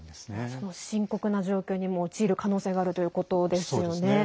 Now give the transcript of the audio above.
その深刻な状況にも陥る可能性があるということですよね。